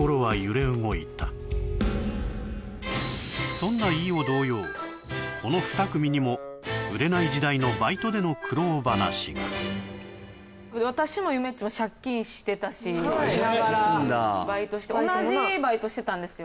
そんな飯尾同様この２組にも売れない時代のバイトでの苦労話がしてたし同じバイトしてたんですよ